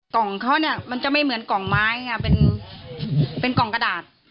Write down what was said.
ของเขาเนี่ยมันจะไม่เหมือนกล่องไม้ค่ะเป็นกล่องกระดาษ